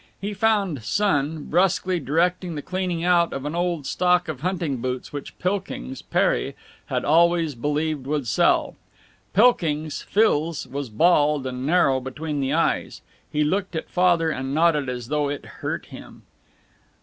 He found Son brusquely directing the cleaning out of an old stock of hunting boots which Pilkings, père, had always believed would sell. Pilkings, fils, was bald, and narrow between the eyes. He looked at Father and nodded as though it hurt him.